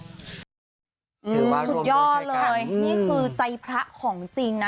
สุดยอดเลยนี่คือใจพระของจริงนะ